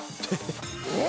・えっ？